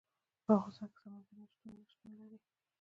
په افغانستان کې سمندر نه شتون شتون لري.